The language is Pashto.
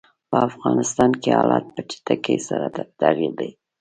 په افغانستان کې حالات په چټکۍ سره په تغییر کې دي.